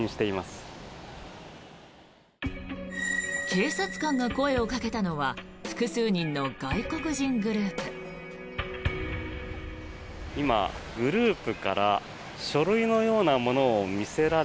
警察官が声をかけたのは複数人の外国人グループ。